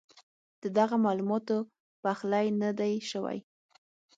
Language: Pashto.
ددغه معلوماتو پخلی نۀ دی شوی